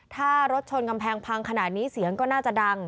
ถ้ารถชนกำแพงพังขนาดนี้เสียงก็น่าจะดัง